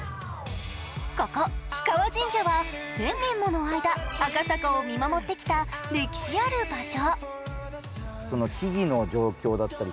ここ氷川神社は１０００年もの間赤坂を見守ってきた歴史ある場所。